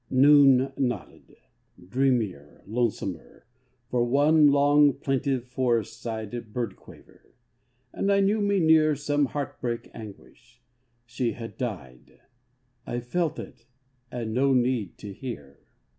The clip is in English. Noon nodded; dreamier, lonesomer, For one long, plaintive, forestside Bird quaver. And I knew me near Some heartbreak anguish ... She had died. I felt it, and no need to hear!